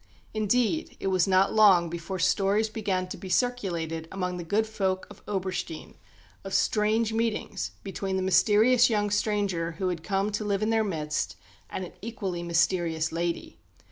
Indeed, it was not long before stories began to be circulated among the good folk of Oberstein of strange meetings between the mysterious young stranger who had come to live in their midst and an equally mysterious lady.